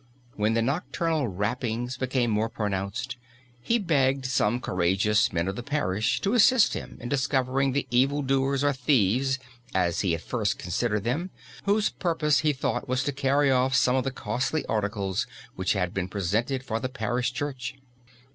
When the nocturnal rappings became more pronounced, he begged some courageous men of the parish to assist him in discovering the evildoers or thieves, as he at first considered them, whose purpose he thought was to carry off some of the costly articles which had been presented for the parish church.